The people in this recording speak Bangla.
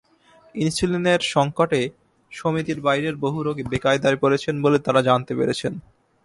ইনসুলিনের সংকটে সমিতির বাইরের বহু রোগী বেকায়দায় পড়েছেন বলে তাঁরা জানতে পেরেছেন।